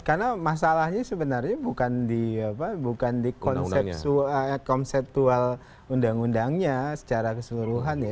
karena masalahnya sebenarnya bukan di konsepual undang undangnya secara keseluruhan